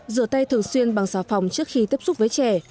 rửa tay thường xuyên bằng xà phòng trước khi tiếp xúc với trẻ